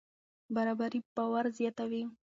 برابري باور زیاتوي.